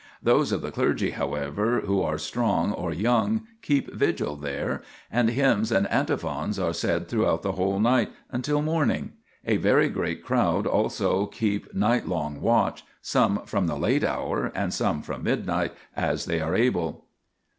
Those of the clergy, however, who are strong or young keep vigil there, and hymns and antiphons are said throughout the whole night until morning; a very great crowd also keep night long watch, some from the late hour and some from midnight, as they are able.